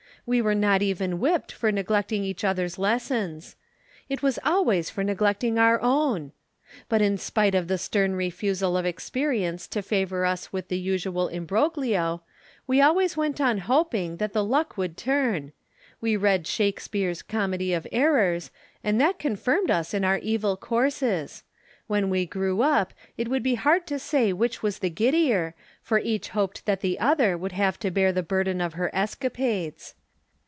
We were not even whipped for neglecting each other's lessons. It was always for neglecting our own. But in spite of the stern refusal of experience to favor us with the usual imbroglio, we always went on hoping that the luck would turn. We read Shakespeare's Comedy of Errors, and that confirmed us in our evil courses. When we grew up, it would be hard to say which was the giddier, for each hoped that the other would have to bear the burden of her escapades.